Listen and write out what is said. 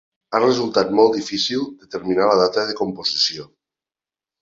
Ha resultat molt difícil de determinar la data de composició.